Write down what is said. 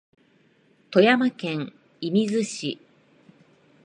富山県射水市